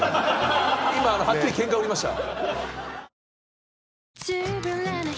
今はっきりケンカ売りました。